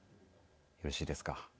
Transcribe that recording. よろしいですか。